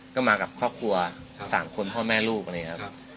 ก็มากับครอบครัว๓คนพ่อแม่ลูกนะครับ